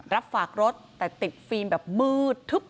รับฝากรถแต่ติดฟิล์มแบบมืดทึบ